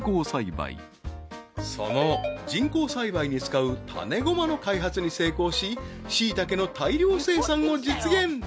［その人工栽培に使う種駒の開発に成功しシイタケの大量生産を実現］